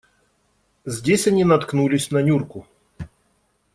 Здесь они наткнулись на Нюрку.